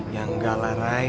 ya enggak lah ray